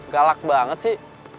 galak banget sih